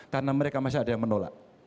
karena mereka masih ada yang menolak